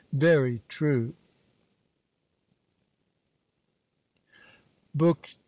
'Very true.' BOOK II.